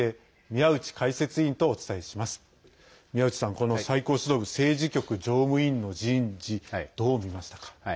宮内さん、この最高指導部政治局常務委員の人事どう見ましたか？